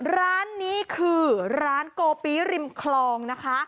ร้านนี้คือร้านโกปีริมคลองนะคะ